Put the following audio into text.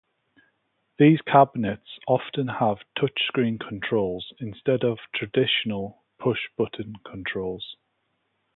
These cabinets often have touchscreen controls instead of traditional push-button controls.